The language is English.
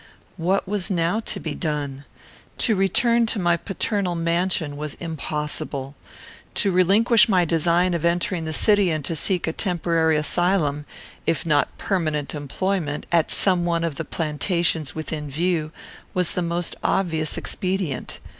What was now to be done? To return to my paternal mansion was impossible. To relinquish my design of entering the city and to seek a temporary asylum, if not permanent employment, at some one of the plantations within view, was the most obvious expedient.